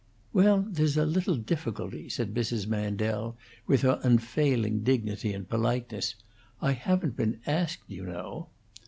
"Well, there's a little difficulty," said Mrs. Mandel, with her unfailing dignity and politeness. "I haven't been asked, you know."